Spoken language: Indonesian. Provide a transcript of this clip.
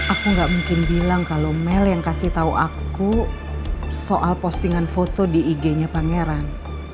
aku gak mungkin bilang kalau mel yang kasih tahu aku soal postingan foto di ig nya pangeran